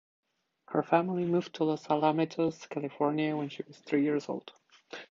Her family moved to Los Alamitos, California when she was three years old.